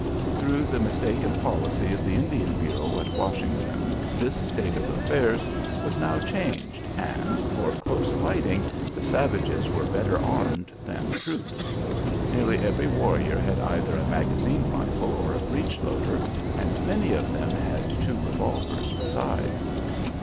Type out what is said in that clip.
Through the mistaken policy of the Indian Bureau at Washington this state of affairs was now changed and, for close fighting, the savages were better armed than the troops. Nearly every warrior had either a magazine rifle or a breech loader, and many of them had two revolvers besides.